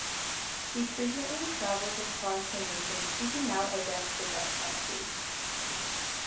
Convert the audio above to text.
She frequently travels across the nation speaking out against the death penalty.